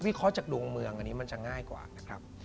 เคราะห์จากดวงเมืองอันนี้มันจะง่ายกว่านะครับ